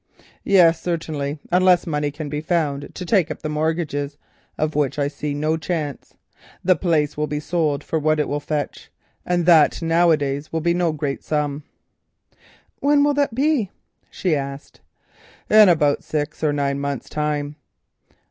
"Yes, certainly, unless money can be found to take up the mortgages, of which I see no chance. The place will be sold for what it will fetch, and that now a days will be no great sum." "When will that be?" she asked. "In about six or nine months' time."